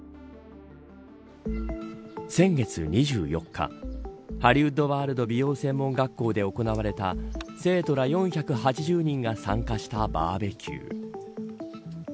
先月２４日ハリウッドワールド美容専門学校で行われた生徒ら４８０人が参加したバーベキュー。